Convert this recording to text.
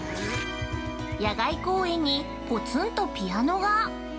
◆野外公園にぽつんとピアノが。